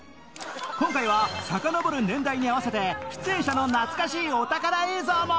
今回はさかのぼる年代に合わせて出演者の懐かしいお宝映像も！